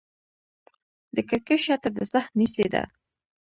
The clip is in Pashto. د کړکۍ شاته د ساه نیستي ده